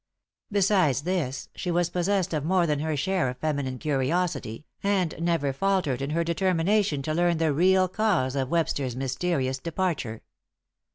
Besides this she was possessed of more than her share of feminine curiosity, and never faltered in her determination to learn the real cause of Webster's mysterious departure.